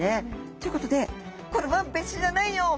ということでこれは別種じゃないよ。